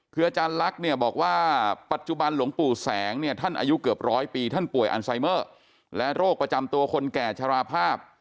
คืออาจารย์ลักษณ์เนี่ยบอกว่าปัจจุบันหลวงปู่แสงเนี่ยท่านอายุเกือบร้อยปีท่านป่วยอันไซเมอร์และโรคประจำตัวคนแก่ชราภาพ